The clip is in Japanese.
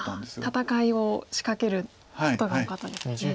戦いを仕掛けることが多かったですよね。